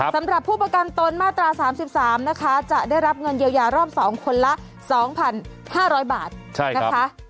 สำหรับผู้ประกันตนมาตรา๓๓นะคะจะได้รับเงินเยียวยารอบ๒คนละ๒๕๐๐บาทนะคะ